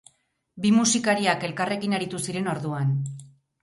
Bi musikariak elkarrekin aritu ziren orduan.